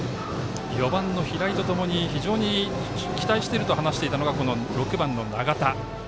４番の平井とともに非常に期待していると話していたのがこの６番、長田。